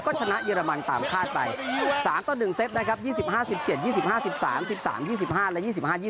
ก็ชนะเยอรมันตามคาดไป๓ต่อ๑เซตนะครับ๒๕๑๗๒๕๑๓๑๓๒๕และ๒๕๒๒